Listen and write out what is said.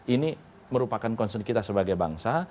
ini merupakan concern kita sebagai bangsa